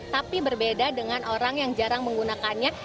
tapi berbeda dengan orang yang jarang menggunakannya